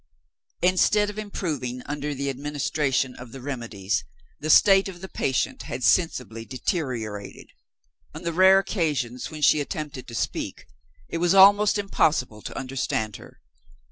Instead of improving under the administration of the remedies, the state of the patient had sensibly deteriorated. On the rare occasions when she attempted to speak, it was almost impossible to understand her.